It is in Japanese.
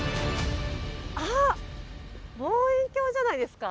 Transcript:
あっ望遠鏡じゃないですか？